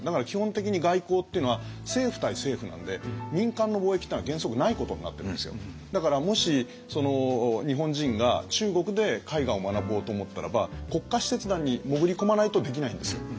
基本的に外交っていうのは政府対政府なんで民間の貿易っていうのは原則ないことになってるんですよ。だからもし日本人が中国で絵画を学ぼうと思ったらば国家使節団に潜り込まないとできないんですよ。